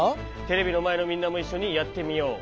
テレビのまえのみんなもいっしょにやってみよう。